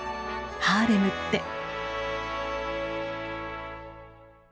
ハーレムって。